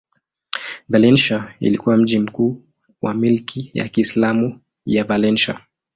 Valencia ilikuwa mji mkuu wa milki ya Kiislamu ya Valencia.